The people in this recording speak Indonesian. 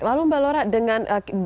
lalu mbak lora dengan